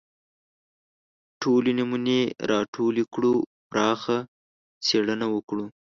ټولې نمونې راټولې کړو پراخه څېړنه وکړو